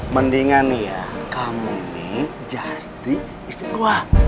mendingan nih ya kamu nih jadi istri gua